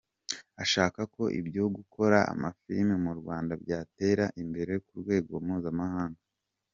Ashaka ko ibyo gukora amafilimi mu Rwanda byatera imbere ku rwego mpuzamahanga.